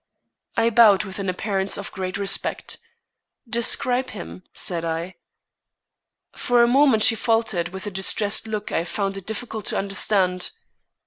I bowed with an appearance of great respect. "Describe him," said I. For a moment she faltered, with a distressed look I found it difficult to understand.